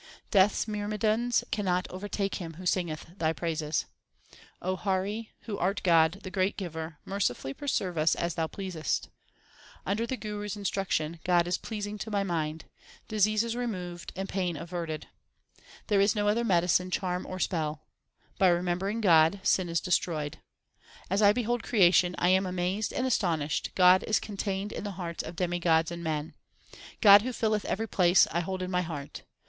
Death s myrmidons cannot overtake him who singeth Thy praises. O Hari, who art God, the great Giver, Mercifully preserve us as Thou pleasest. Under the Guru s instruction God is pleasing to my mind ; Disease is removed and pain averted. 3i6 THE SIKH RELIGION There is no other medicine, charm, or spell. By remembering God, sin is destroyed. As I behold creation I am amazed and astonished God is contained in the hearts of demigods and men. God who filleth every place, I hold in my heart.